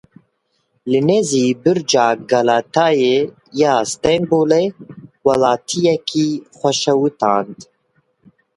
Li nêzî Birca Galatayê ya Stenbolê welatiyekî xwe şewitand.